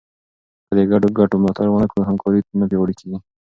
که د ګډو ګټو ملاتړ ونه کړې، همکاري نه پیاوړې کېږي.